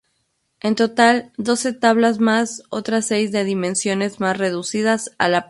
En total doce tablas más otras seis de dimensiones más reducidas a la predela.